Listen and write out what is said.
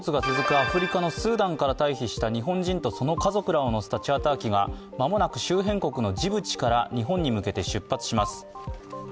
アフリカのスーダンから退避した日本人とその家族らを乗せたチャーター機が間もなく周辺国のジブチから日本に向けて出発します。